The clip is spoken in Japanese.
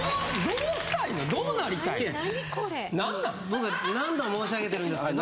僕は何度も申し上げてるんですけど。